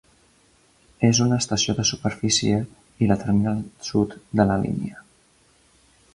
És una estació de superfície i la terminal sud de la línia.